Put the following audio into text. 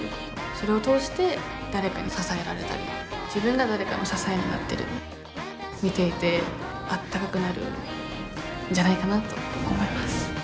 それを通して誰かに支えられたり自分が誰かの支えになったり見ていてあったかくなるんじゃないかなと思います。